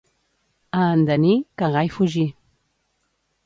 A Andaní, cagar i fugir.